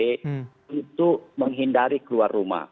itu menghindari keluar rumah